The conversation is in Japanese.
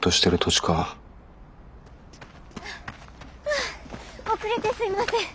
はあはあ遅れてすいません。